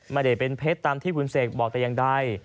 ไม่ได้เป็นเพชรตามที่คุณเสกบอกแต่ยังได้